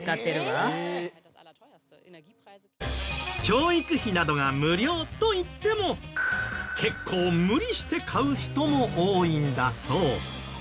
教育費などが無料といっても結構無理して買う人も多いんだそう。